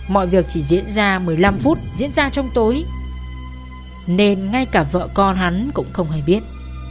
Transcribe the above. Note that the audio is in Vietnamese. mọi việc chỉ diễn ra một mươi năm phút diễn ra trong tối nên ngay cả vợ con hắn cũng không hề biết